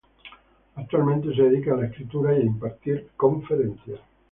Actualmente se dedica a la escritura y a impartir conferencias.